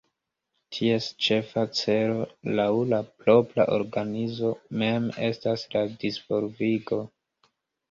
Ties ĉefa celo, laŭ la propra organizo mem, estas la disvolvigo.